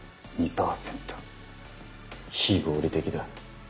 非合理的だ。